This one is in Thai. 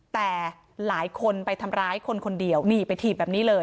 แต่หลายคนไปทำร้ายคนคนเดียวหนีไปถีบแบบนี้เลย